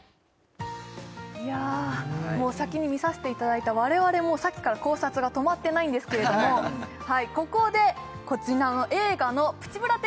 いやもう先に見させていただいた我々もさっきから考察が止まってないんですけれどもここでこちらの映画のプチブラ的！